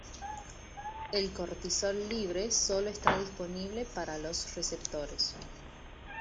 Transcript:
El cortisol libre solo está disponible para los receptores.